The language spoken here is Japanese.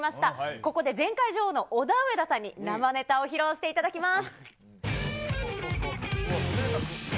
ここで前回女王のオダウエダさんに、生ネタを披露していただきます。